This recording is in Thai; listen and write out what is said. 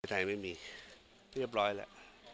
ไทยไม่มีเรียบร้อยแล้ว